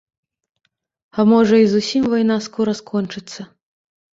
А можа, і зусім вайна скора скончыцца.